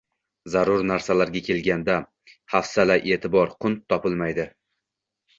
zarur narsalarga kelganda hafsala, e’tibor, qunt topilmaydi.